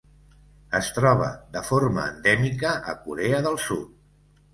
Es troba de forma endèmica a Corea del Sud.